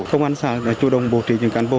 công an xã đã chủ động bổ trí những cán bộ